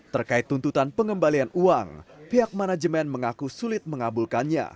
terkait tuntutan pengembalian uang pihak manajemen mengaku sulit mengabulkannya